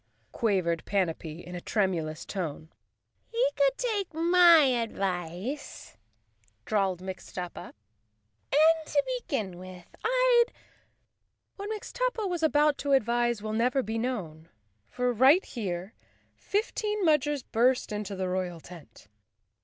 quavered Panapee in a tremulous tone. "He could take my advice," drawled Mixtuppa, "and to begin with I'd—" What Mixtuppa was about to advise will never be known, for right here fifteen Mudgers burst into the royal tent.